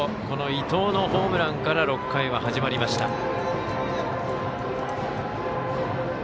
この伊藤のホームランから６回は始まりました。